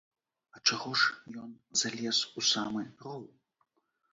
А чаго ж ён залез у самы роў?